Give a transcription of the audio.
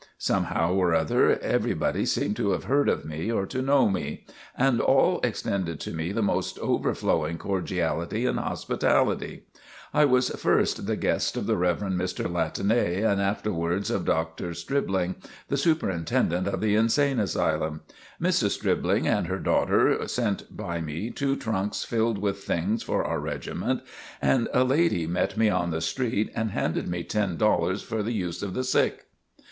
Somehow or other everybody seemed to have heard of me or to know me, and all extended to me the most overflowing cordiality and hospitality. I was first the guest of the Rev. Mr. Latané and afterwards of Dr. Stribling, the Superintendent of the Insane Asylum. Mrs. Stribling and her daughter sent by me two trunks filled with things for our regiment, and a lady met me on the street and handed me ten dollars for the use of the sick.